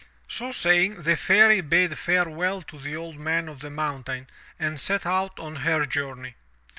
So saying, the Fairy bade farewell to the Old Man of the Mountain ^id set out on her journey.